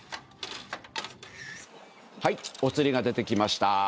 はいお釣りが出てきました。